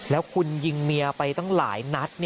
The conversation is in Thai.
แล้วคุณยิงเมียไปตั้งหลายนัด